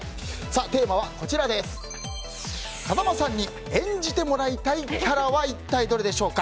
テーマは風間さんに演じてもらいたいキャラは一体どれでしょうか？